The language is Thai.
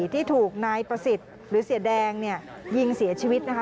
ที่ถูกนายประสิทธิ์หรือเสียแดงยิงเสียชีวิตนะคะ